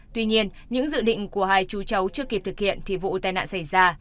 tuy nhiên những dự định của hai chú chấu chưa kịp thực hiện thì vụ tai nạn xảy ra